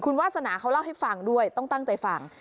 คุณวาสนาเขาเล่าให้ฟังด้วยต้องตั้งใจฟัง